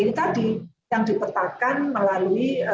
ini tadi yang dipetakan melalui